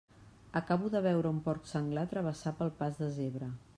Acabo de veure un porc senglar travessar pel pas de zebra.